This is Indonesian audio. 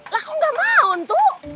lah kok gak mau tuh